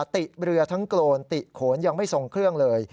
ติเรือทั้งโกรนติโขนยังไม่ทรงเครื่องเลย